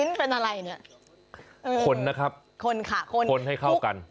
ลิ้นเป็นอะไรเนี่ยคนนะครับคนให้เข้ากัน